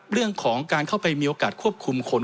เรื่องของการเข้าไปมีโอกาสควบคุมคน